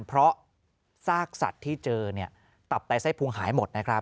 เพราะซากสัตว์ที่เจอเนี่ยตับในไส้พุงหายหมดนะครับ